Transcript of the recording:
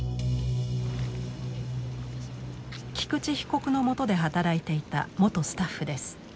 菊池被告のもとで働いていた元スタッフです。